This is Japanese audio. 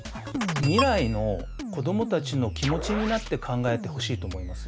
未来の子どもたちの気持ちになって考えてほしいと思いますよね。